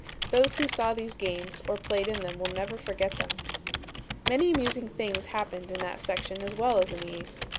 Those who saw these games or played in them will never forget them. "Many amusing things happened in that section as well as in the East.